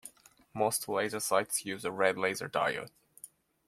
Most laser sights use a red laser diode.